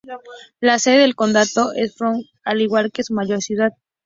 La sede del condado es Fort Stockton, al igual que su mayor ciudad.